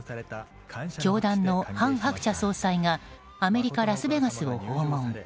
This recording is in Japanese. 教団の韓鶴子総裁がアメリカ・ラスベガスを訪問。